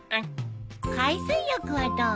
海水浴はどう？